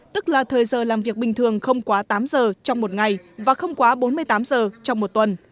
tức là thời giờ làm việc bình thường không quá tám giờ trong một ngày và không quá bốn mươi tám giờ trong một tuần